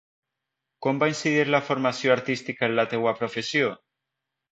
Com va incidir la formació artística en la teua professió?